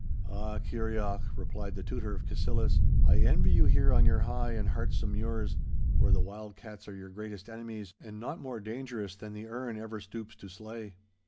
'Ah, Kirrieoch,' replied the Tutor of Cassillis, 'I envy you here on your high and heartsome muirs, where the wild cats are your greatest enemies, and naught more dangerous than the erne ever stoops to slay.